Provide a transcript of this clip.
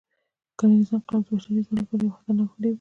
کرنيز انقلاب د بشري ژوند لپاره یو خطرناک فریب و.